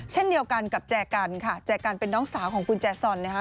เช่นเดียวกันกับแจกันค่ะแจกันเป็นน้องสาวของคุณแจซอนนะคะ